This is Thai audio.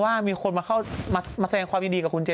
ว่ามีคนมาแสดงความยินดีกับคุณเธอ